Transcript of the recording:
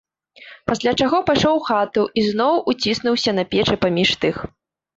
Пасля чаго пайшоў у хату і зноў уціснуўся на печы паміж тых.